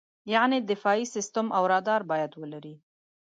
یعنې دفاعي سیستم او رادار باید ولرې.